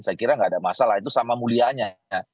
saya kira gak ada masalah itu sama mulia nya